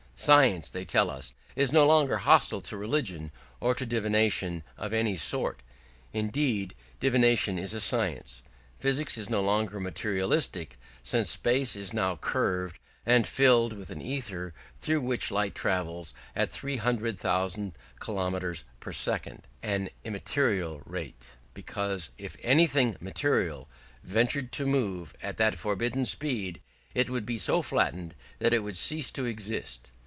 Science, they tell us, is no longer hostile to religion, or to divination of any sort. Indeed, divination is a science too. Physics is no longer materialistic since space is now curved, and filled with an ether through which light travels at 300,000 kilometres per second an immaterial rate: because if anything material ventured to move at that forbidden speed, it would be so flattened that it would cease to exist.